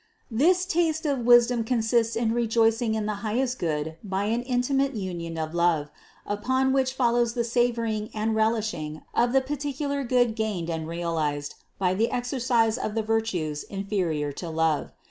This taste of wisdom consists in rejoicing in the highest good by an intimate union of love, upon which follows the savouring THE CONCEPTION 467 and relishing of the particular good gained and realized by the exercise of the virtues inferior to love.